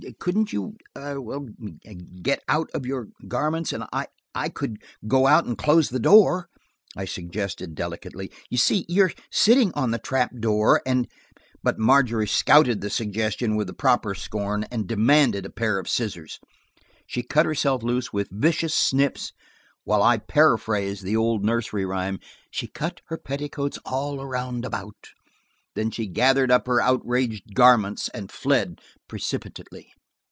"Couldn't you–er–get out of your garments, and–I could go out and close the door," I suggested delicately. "You see you are sitting on the trapdoor, and–" But Margery scouted the suggestion with the proper scorn, and demanded a pair of scissors. She cut herself loose with vicious snips, while I paraphrased the old nursery rhyme, "She cut her petticoats all around about." Then she gathered up her outraged garments and fled precipitately.